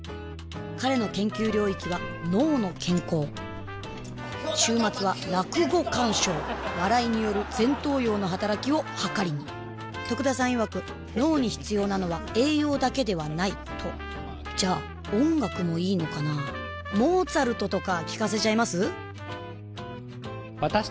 彼の研究領域は「脳の健康」週末は落語観賞笑いによる前頭葉の働きを測りに得田さんいわく「脳に必要なのは栄養だけではない」とじゃあ音楽もいいのかなぁモーツァルトとか聴かせちゃいます？